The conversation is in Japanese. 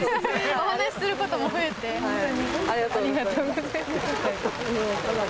お話しすることも増えて、ありがとうございます。